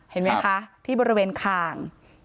เห็นไหมคะที่บริเวณคาง